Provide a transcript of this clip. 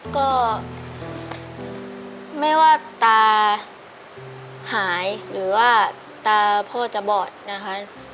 ก็ไม่ว่าตาหายหรือว่าตาพ่อจะบอดนะคะ